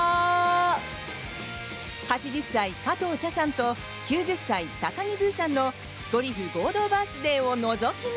８０歳、加藤茶さんと９０歳、高木ブーさんのドリフ合同バースデーをのぞき見！